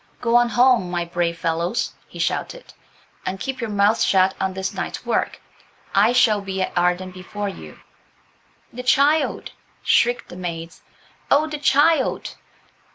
"Go on home, my brave fellows," he shouted, "and keep your mouths shut on this night's work. I shall be at Arden before you–" "The child!" shrieked the maids; "oh, the child!"